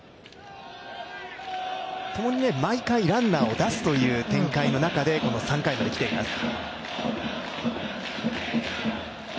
ともに毎回ランナーを出すという展開の中で３回まできています。